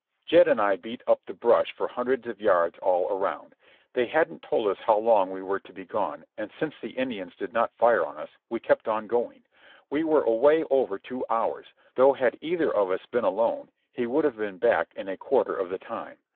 Jed and I beat up the brush for hundreds of yards all around. They hadn't told us how long we were to be gone, and since the Indians did not fire on us we kept on going. We were away over two hours, though had either of us been alone he would have been back in a quarter of the time.